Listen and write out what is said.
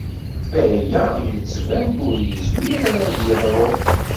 Aya yettban-d ur yezmir ara ad yeḍru.